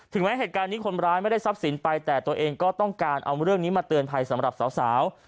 แม้เหตุการณ์นี้คนร้ายไม่ได้ทรัพย์สินไปแต่ตัวเองก็ต้องการเอาเรื่องนี้มาเตือนภัยสำหรับสาว